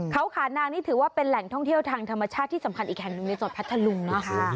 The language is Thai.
เขาขานางนี่ถือว่าเป็นแหล่งท่องเที่ยวทางธรรมชาติที่สำคัญอีกแห่งหนึ่งในจังหวัดพัทธลุงเนาะ